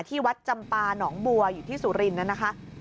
ที่วัดจำปาหนองบัวอยู่ที่สุรินทร์นะคะ